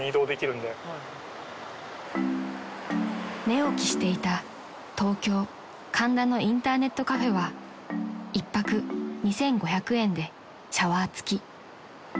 ［寝起きしていた東京神田のインターネットカフェは１泊２，５００円でシャワー付き］